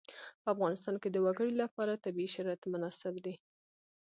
په افغانستان کې د وګړي لپاره طبیعي شرایط مناسب دي.